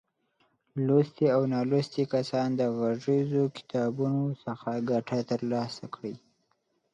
لوستي او نالوستي کسان د غږیزو کتابونو څخه ګټه تر لاسه کړي.